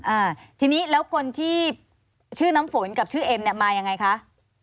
อ่าทีนี้แล้วคนที่ชื่อน้ำฝนกับชื่อเอ็มเนี่ยมายังไงคะ